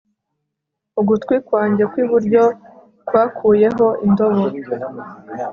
ugutwi kwanjye kw'iburyo kwakuyeho indobo